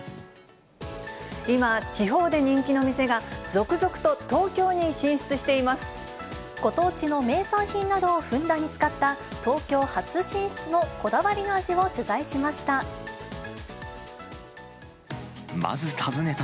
今、地方で人気の店が、ご当地の名産品などをふんだんに使った、東京初進出のこだわりの味を取材しました。